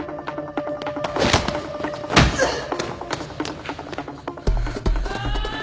うっ。